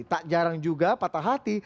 tak jarang juga patah hati